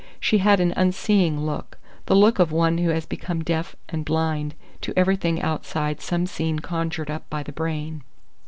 She had an unseeing look, the look of one who has become deaf and blind to everything outside some scene conjured up by the brain.